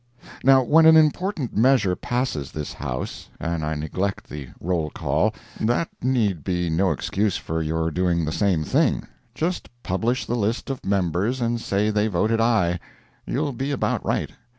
Now when an important measure passes this House, and I neglect the roll call, that need be no excuse for your doing the same thing; just publish the list of members and say they voted "aye"—you'll be about right.